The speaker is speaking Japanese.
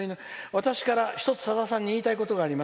「私から、さださんに言いたいことがあります。